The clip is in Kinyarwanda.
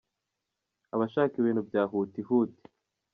Aba ashaka ibintu bya huti huti.